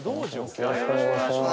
よろしくお願いします